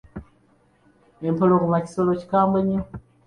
Empologoma kisolo kikambwe nnyo.